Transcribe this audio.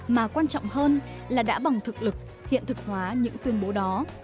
mà quan trọng hơn là đã bằng thực lực hiện thực hóa những tuyên bố đó